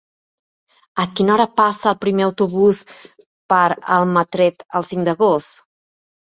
A quina hora passa el primer autobús per Almatret el cinc d'agost?